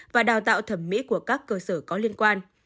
và đào tạo thẩm mỹ của các cơ sở có liên quan